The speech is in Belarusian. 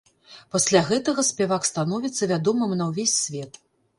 Пасля гэтага спявак становіцца вядомым на ўвесь свет.